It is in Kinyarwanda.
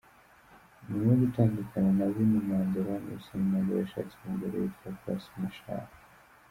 Nyuma yo gutandukana na Winnie Mandela, Nelson Mandela yashatse umugore witwa Graca Machel.